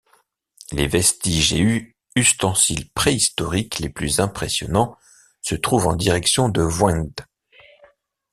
Les vestiges et ustensiles préhistoriques les plus impressionnants se trouvent en direction de Voingt.